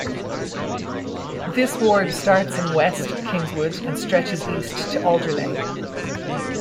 This ward starts in west at Kingswood and stretches east to Alderley.